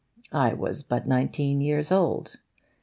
I was but nineteen years old.